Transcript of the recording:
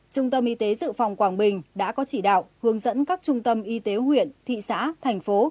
trung tâm y tế dự phòng quảng bình đã có chỉ đạo hướng dẫn các trung tâm y tế huyện thị xã thành phố